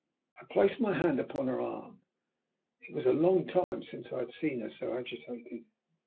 I placed my hand upon her arm. It was a long time since I had seen her so agitated.